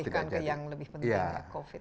untuk dialihkan ke yang lebih penting ya covid